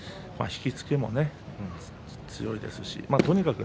引き付けも強いですしとにかく